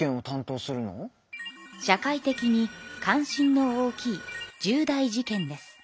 社会的に関心の大きい重大事件です。